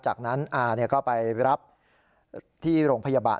จากนั้นอาก็ไปรับที่โรงพยาบาล